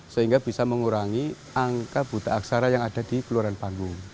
sehingga bisa mengurangi angka buta aksara yang ada di keluaran panggung